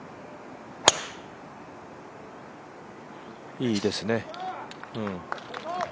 いいですね、うん。